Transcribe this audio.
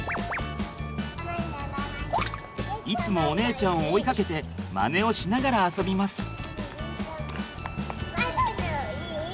いつもお姉ちゃんを追いかけてマネをしながら遊びます。